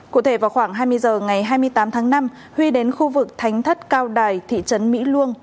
cụ thể vào khoảng hai mươi h ngày hai mươi tám tháng năm huy đến khu vực thánh thất cao đài thị trấn mỹ luông